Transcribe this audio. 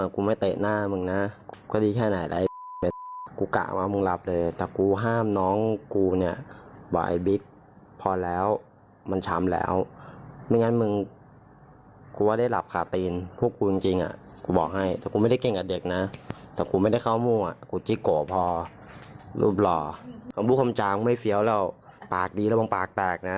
กูจิโกะพอรูปหล่อมันพูดคำจามไม่เฟี้ยวแล้วปากดีแล้วมันปากแตกนะ